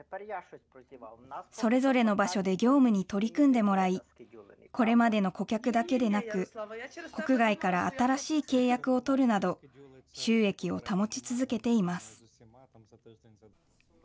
それぞれの場所で業務に取り組んでもらい、これまでの顧客だけでなく、国外から新しい契約を取るなど、収益を保ち続けています。